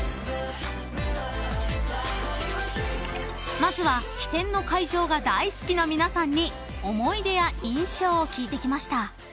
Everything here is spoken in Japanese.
［まずは飛天の会場が大好きな皆さんに思い出や印象を聞いてきました］